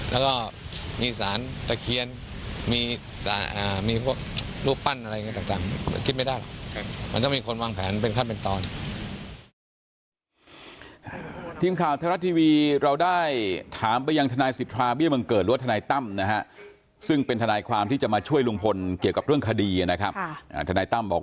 แล้วก็มีสารตะเคียนมีรูปปั้นอะไรอย่างนี้ต่างคิดไม่ได้หรอก